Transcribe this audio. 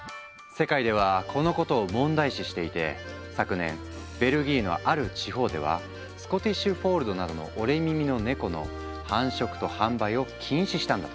世界ではこのことを問題視していて昨年ベルギーのある地方ではスコティッシュ・フォールドなどの折れ耳のネコの繁殖と販売を禁止したんだとか。